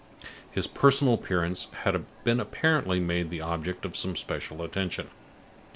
His personal appearance had been apparently made the object of some special attention.